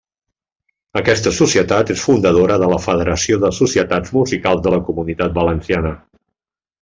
Aquesta societat és fundadora de la Federació de Societats Musicals de la Comunitat Valenciana.